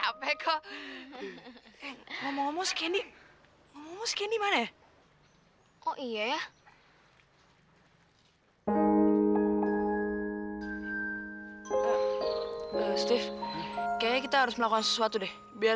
sampai jumpa di video selanjutnya